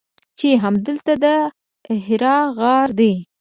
چې همدلته د حرا غار دی.